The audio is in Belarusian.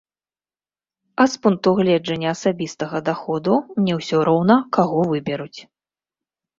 А з пункту гледжання асабістага даходу мне ўсё роўна, каго выберуць.